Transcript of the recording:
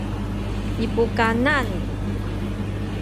i pukanan